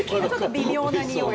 微妙なにおい。